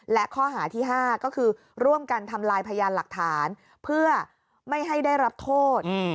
และข้อหาที่๕ก็คือร่วมกันทำลายพยานหลักฐานเพื่อไม่ให้ได้รับโทษ